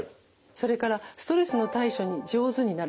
それからストレスの対処に上手になる。